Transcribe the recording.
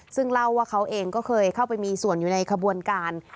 ซึ่งเล่าว่าเขาเองก็เคยเข้าไปมีส่วนอยู่ในขบวนการ